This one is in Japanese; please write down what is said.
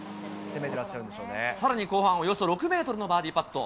さらに後半、およそ６メートルのバーディーパット。